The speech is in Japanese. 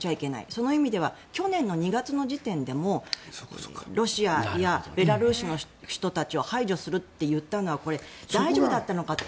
その意味では去年の２月の時点でもロシアやベラルーシの人たちを排除するって言ったのは大丈夫だったのかって。